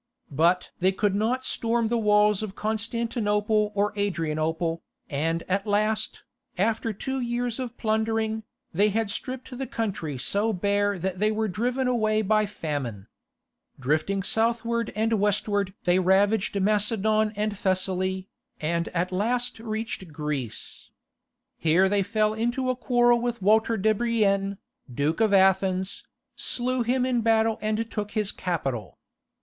But they could not storm the walls of Constantinople or Adrianople, and at last, after two years of plundering, they had stripped the country so bare that they were driven away by famine. Drifting southward and westward they ravaged Macedon and Thessaly, and at last reached Greece. Here they fell into a quarrel with Walter de Brienne, Duke of Athens, slew him in battle and took his capital.